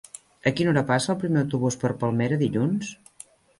A quina hora passa el primer autobús per Palmera dilluns?